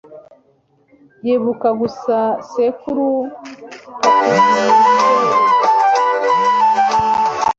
yibuka gusa sekuru. (patgfisher)